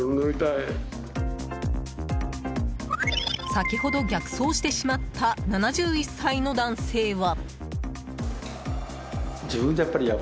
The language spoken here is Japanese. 先ほど、逆走してしまった７１歳の男性は。